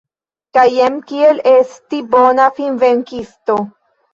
Kaj jen kiel esti bona finvenkisto.